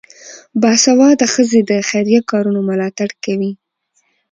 باسواده ښځې د خیریه کارونو ملاتړ کوي.